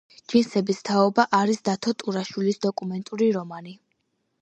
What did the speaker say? ჯინსების თაობა არის დათო ტურაშვილის დოკუმენტური რომანი